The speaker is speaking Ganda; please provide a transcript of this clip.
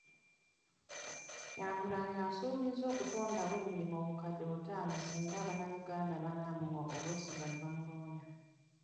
Kyagulanyi asuubizza okutondawo emirimu obukadde butaano singa bannayuganda banaamuwa obwesige ne bamulonda.